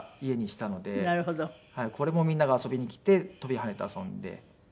これもみんなが遊びに来て飛び跳ねて遊んで。